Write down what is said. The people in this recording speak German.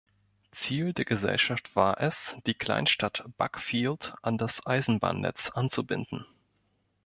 Ziel der Gesellschaft war es, die Kleinstadt Buckfield an das Eisenbahnnetz anzubinden.